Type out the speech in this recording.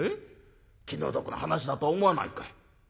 気の毒な話だと思わないかい？」。